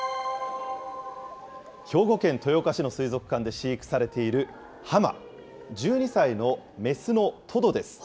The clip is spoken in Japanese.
兵庫県豊岡市の水族館で飼育されているハマ、１２歳の雌のトドです。